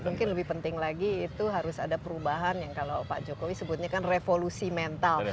mungkin lebih penting lagi itu harus ada perubahan yang kalau pak jokowi sebutnya kan revolusi mental